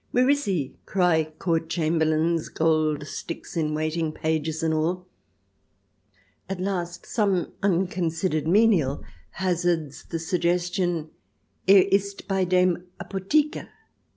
" Where is he ?" cry Court Chamber lains, Gold sticks in Waiting, pages, and all. At last some unconsidered menial hazards the suggestion, " Er ist bei dem Apotheker